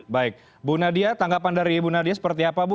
baik bu nadia tanggapan dari bu nadia seperti apa bu